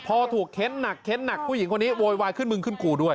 พอถูกเค้นหนักเค้นหนักผู้หญิงคนนี้โวยวายขึ้นมึงขึ้นกูด้วย